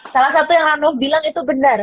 salah satu yang ranov bilang itu bener